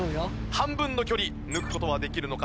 半分の距離抜く事はできるのか？